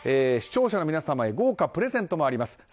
視聴者の皆さんへ豪華プレゼントもあります。